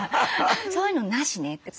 「そういうのなしね」って。